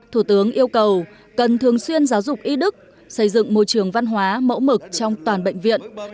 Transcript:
thủ tướng yêu cầu cần thường xuyên giáo dục y đức xây dựng môi trường văn hóa mẫu mực trong toàn bệnh viện